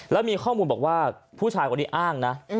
แล้วมีข้อมูลบอกว่าผู้ชายคนนี้อ้างนะ